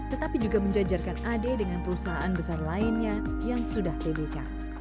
tetapi juga menjajarkan ad dengan perusahaan besar lainnya yang sudah tbk